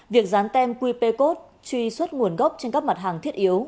việc dán tem qp code truy xuất nguồn gốc trên các mặt hàng thiết yếu